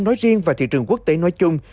nói riêng và thị trường quốc tế nói chung